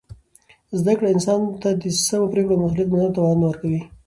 زده کړه انسان ته د سمو پرېکړو او مسؤلیت منلو توان ورکوي.